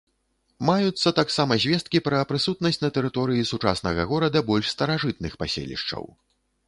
Маюцца таксама звесткі пра прысутнасць на тэрыторыі сучаснага горада больш старажытных паселішчаў.